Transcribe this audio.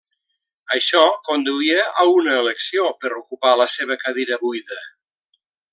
Això conduïa a una elecció per ocupar la seua cadira buida.